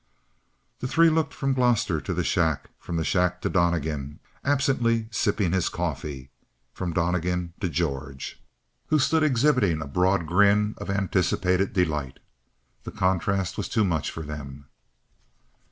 The three looked from Gloster to the shack; from the shack to Donnegan, absently sipping his coffee; from Donnegan to George, who stood exhibiting a broad grin of anticipated delight. The contrast was too much for them.